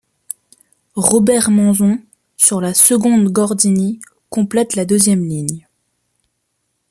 Robert Manzon, sur la seconde Gordini, complète la deuxième ligne.